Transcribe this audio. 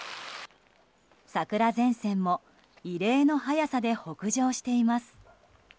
桜前線も異例の早さで北上しています。